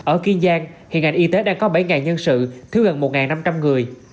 ở kiên giang hiện ngành y tế đã có bảy nhân sự thiếu gần một năm trăm linh người